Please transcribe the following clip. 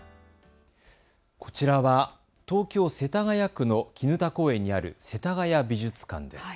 こちらは東京世田谷区の砧公園にある世田谷美術館です。